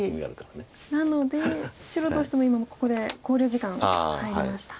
なので白としても今ここで考慮時間入りました。